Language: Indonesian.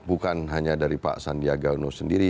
bukan hanya dari pak sandiaga uno sendiri